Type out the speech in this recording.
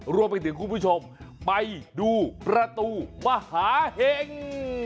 รวมไปถึงคุณผู้ชมไปดูประตูมหาเห็ง